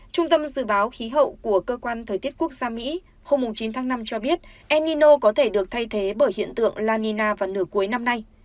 trung tâm dự báo khí hậu của cơ quan thời tiết quốc gia mỹ hôm chín tháng năm cho biết enino có thể được thay thế bởi hiện tượng la nina vào nửa cuối năm nay